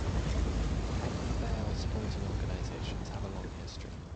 Ebbw Vale sporting organisations have a long history.